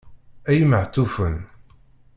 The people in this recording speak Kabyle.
Ay imehtufen!